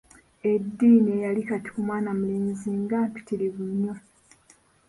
Eddiini eyali kati ku mwana mulenzi nga mpitirivu nnyo.